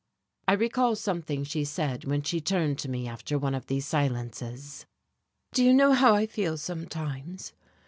I recall something she said when she turned to me after one of these silences. "Do you know how I feel sometimes?